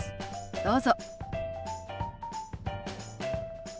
どうぞ。